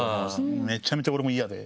めちゃめちゃ俺も嫌で。